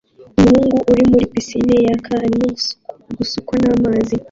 umuhungu uri muri pisine yaka arimo gusukwa namazi